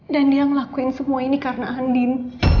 dan dia ngelakuin semua ini karena andin